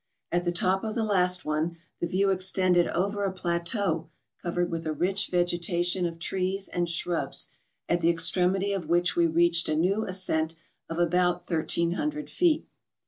At the top of the last one, the view extended over a plateau covered with a rich vegetation of trees and shrubs, at the extremity of which we reached a new ascent of about 1300 feet.